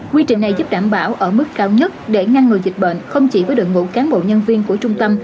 quy trình này giúp đảm bảo ở mức cao nhất để ngăn ngừa dịch bệnh không chỉ với đội ngũ cán bộ nhân viên của trung tâm